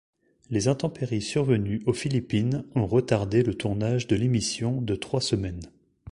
Les intempéries survenues aux Philippines ont retardé le tournage de l'émission de trois semaines.